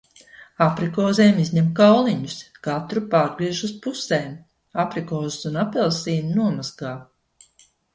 Aprikozēm izņem kauliņus, katru pārgriež uz pusēm. Aprikozes un apelsīnu nomazgā.